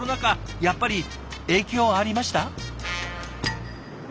やっぱり影響ありました？